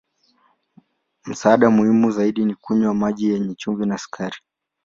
Msaada muhimu zaidi ni kunywa maji yenye chumvi na sukari.